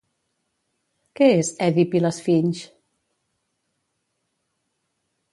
Què és Èdip i l'Esfinx?